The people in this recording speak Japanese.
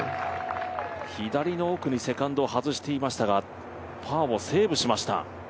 左の奥にセカンドを外していましたがパーをセーブしました。